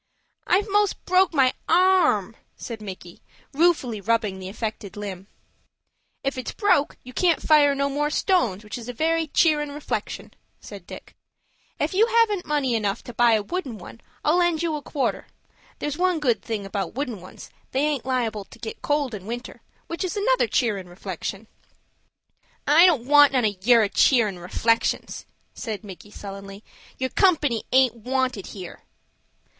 "I've most broke my arm," said Micky, ruefully, rubbing the affected limb. "If it's broke you can't fire no more stones, which is a very cheerin' reflection," said Dick. "Ef you haven't money enough to buy a wooden one I'll lend you a quarter. There's one good thing about wooden ones, they aint liable to get cold in winter, which is another cheerin' reflection." "I don't want none of yer cheerin' reflections," said Micky, sullenly. "Yer company aint wanted here."